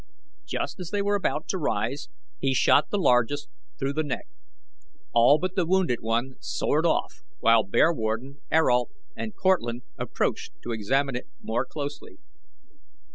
Just as they were about to rise, he shot the largest through the neck. All but the wounded one, soared off, while Bearwarden, Ayrault, and Cortlandt approached to examine it more closely.